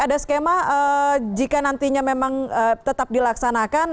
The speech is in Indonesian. ada skema jika nantinya memang tetap dilaksanakan